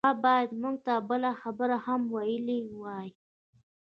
هغه بايد موږ ته بله خبره هم ويلي وای.